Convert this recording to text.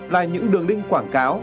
là những đường link quảng cáo